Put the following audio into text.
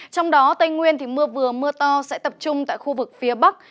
trong đó tây nguyên mưa vừa mưa to sẽ tập trung tại khu vực phía bắc